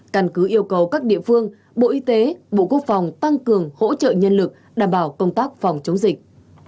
căn cứ yêu cầu các địa phương bộ y tế bộ quốc phòng tăng cường hỗ trợ nhân lực đảm bảo công tác phòng chống dịch